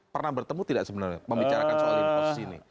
pernah bertemu tidak sebenarnya membicarakan soal investasi ini